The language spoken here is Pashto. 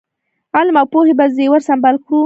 علم او پوهې په زېور سمبال کړو.